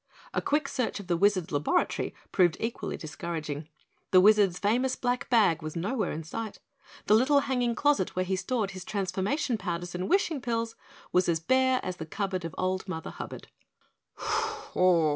A quick search of the Wizard's laboratory proved equally discouraging. The Wizard's famous black bag was nowhere in sight, the little hanging closet where he stored his transformation powders and wishing pills was bare as the cupboard of old Mother Hubbard.